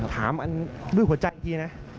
ถามคฤตอีกครั้งนะ